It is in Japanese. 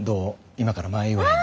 今から前祝いに。